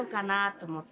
「と思って」